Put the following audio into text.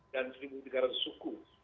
dan satu tiga ratus suku